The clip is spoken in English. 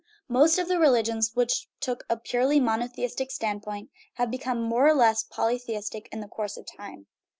Most of the religions which took a purely monotheistic stand point have become more or less polytheistic in the course of time.